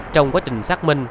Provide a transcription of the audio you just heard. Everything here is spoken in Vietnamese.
trong quá trình xác minh